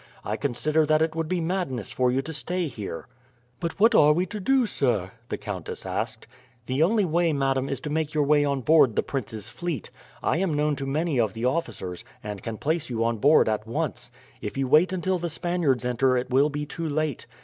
I consider that it would be madness for you to stay here." "But what are we to do, sir?" the countess asked. "The only way, madam, is to make your way on board the prince's fleet. I am known to many of the officers, and can place you on board at once. If you wait until the Spaniards enter it will be too late.